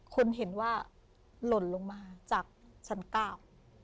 คนเห็นว่าหล่นลงมาจากชั้นเก้า